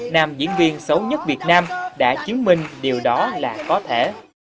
nam diễn viên xấu nhất việt nam đã chứng minh điều đó là có thể